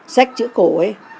sách chữ cổ ấy